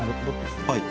はい。